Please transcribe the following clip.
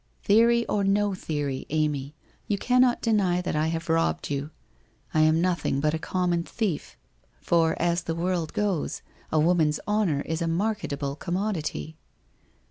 ' Theory or no theory, Amy, you cannot deny that I have robbed vou. I am nothing: but a common thief. For as the world goes, a woman's honour is a marketable commodity.'